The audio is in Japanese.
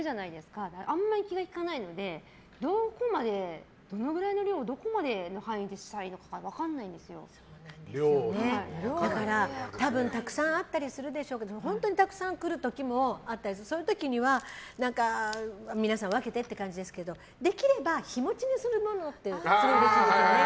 私はあまり気が利かないのでどのくらいの量をどこまでの範囲でしたらいいかだから多分たくさんあったりするでしょうけど本当にたくさん来る時もあってその時には、皆さん分けてって感じですけどでければ日持ちのするものってうれしいですよね。